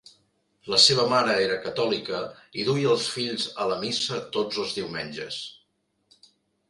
La seva mare era catòlica i duia els fills a la missa tots els diumenges.